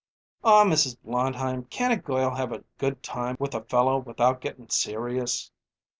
"Aw, Mrs. Blondheim, can't a girl have a good time with a fellow without gettin' serious?"